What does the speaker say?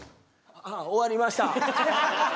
あっ終わりました